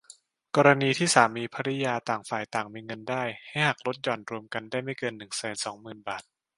กรณีที่สามีภริยาต่างฝ่ายต่างมีเงินได้ ให้หักลดหย่อนรวมกันได้ไม่เกิน หนึ่งแสนสองหมื่น บาท